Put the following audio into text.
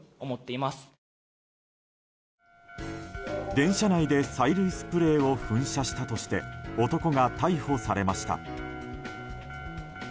電車内で催涙スプレーを噴射したとして男が逮捕されました。